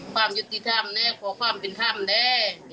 ความยุติธรรมด้วยขอความเป็นธรรมด้วย